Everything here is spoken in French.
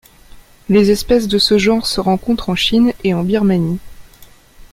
Les espèces de ce genre se rencontrent en Chine et en Birmanie.